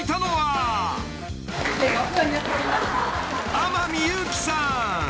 ［天海祐希さん］